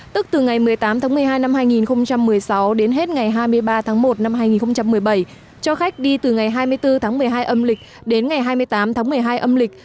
tức từ ngày một mươi tám một mươi hai hai nghìn một mươi sáu đến hết ngày hai mươi ba một hai nghìn một mươi bảy cho khách đi từ ngày hai mươi bốn một mươi hai âm lịch đến ngày hai mươi tám một mươi hai âm lịch